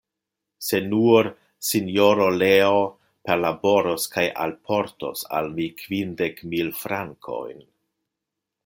Se nur, Sinjoro Leo perlaboros kaj alportos al mi kvindek mil frankojn.